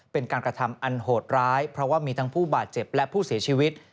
เป็นการกระทำอันโหดร้ายเพราะว่ามีทั้งผู้บาดเจ็บและผู้เสียชีวิต